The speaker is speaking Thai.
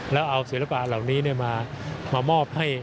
แล้วเอาศิลปะเหล่านี้มามอบให้